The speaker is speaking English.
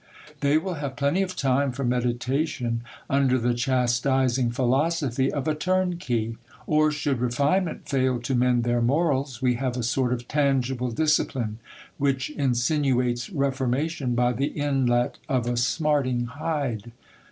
They will have plenty of time for meditation under the chastising philosophy of a turnkey ; or should confinement fail to mend their morals, we have a sort of tangible disci pline, which insinuates reformation by the inlet of a smarting hide.